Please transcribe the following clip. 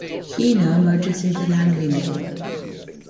Heanor merges into Langley Mill.